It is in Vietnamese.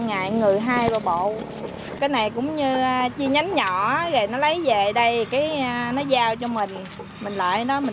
ngày người hai bộ cái này cũng như chi nhánh nhỏ rồi nó lấy về đây cái nó giao cho mình mình lại